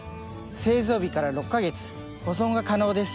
製造日から６カ月保存が可能です。